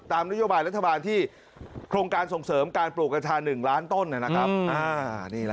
นโยบายรัฐบาลที่โครงการส่งเสริมการปลูกกัญชา๑ล้านต้นนะครับ